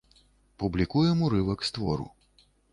Публікуем урывак з твору.